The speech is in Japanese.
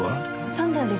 ３段です。